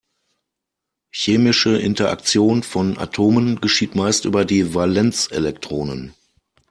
Chemische Interaktion von Atomen geschieht meist über die Valenzelektronen.